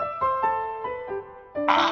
あ！